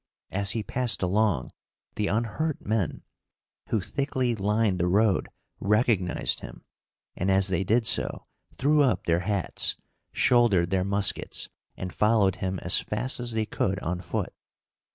As he passed along, the unhurt men, who thickly lined the road, recognized him, and, as they did so, threw up their hats, shouldered their muskets, and followed him as fast as they could on foot.